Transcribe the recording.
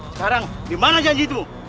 sekarang dimana janji itu